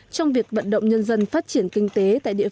trong việc vận động nhân dân phát triển kinh tế